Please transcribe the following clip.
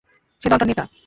সে দলটার নেতা।